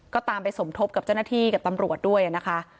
ก็ตามไปสมทบกับเจ้าหน้าที่กับตำรวจด้วยนะคะ